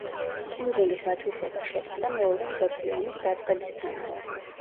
კუნძულის ათვისება შეწყდა მეორე მსოფლიო ომის დაწყებისთანავე.